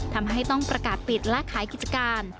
ทำให้ต้องประกาศปิดและขายกิจการ